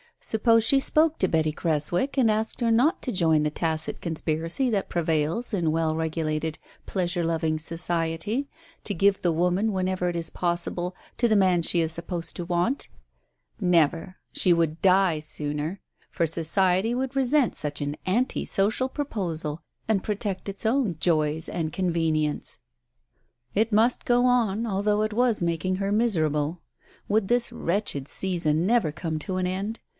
Suppose she spoke to Betty Creswick, and asked her not to join the tacit conspiracy that prevails in well regulated, pleasure loving society, to give the woman, whenever it is possible, to the man she is supposed to want ? Never ! She would die sooner ! For Society would resent such an anti social proposal and protect its own joys and convenience. It must go on although it was making her miserable. Would this wretched season never come to an end?